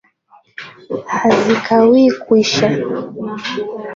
Hazikawii kwisha